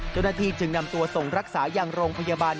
เจ้าหน้าที่จึงนำตัวส่งรักษายังโรงพยาบาล